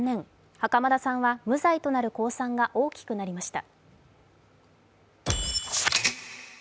袴田さんは無罪となる公算が大きくなりました。